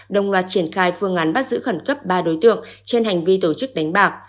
đồng loạt triển khai phương án bắt giữ khẩn cấp ba đối tượng trên hành vi tổ chức đánh bạc